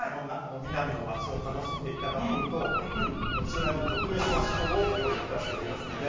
ミナミの街を楽しんでいただこうとこちらに特別な趣向を用意いたしておりますので。